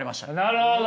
なるほど。